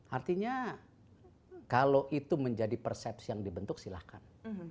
artinya kalau itu menjadi persepsi yang dibentuk silahkan